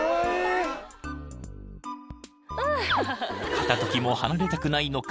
［片時も離れたくないのか